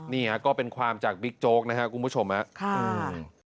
นี่ก็เป็นความจากบิ๊กโจ๊กนะครับคุณผู้ชมครับ